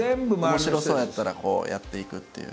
面白そうやったらこうやっていくっていう。